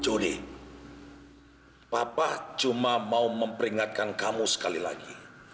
judi papa cuma mau memperingatkan kamu sekali lagi